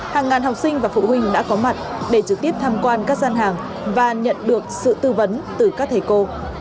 hàng ngàn học sinh và phụ huynh đã có mặt để trực tiếp tham quan các gian hàng và nhận được sự tư vấn từ các thầy cô